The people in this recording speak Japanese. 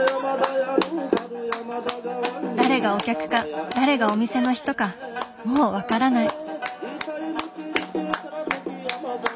誰がお客か誰がお店の人かもうわからない。